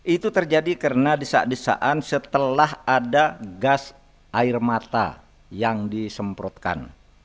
itu terjadi karena desak desakan setelah ada gas air mata yang disemprotkan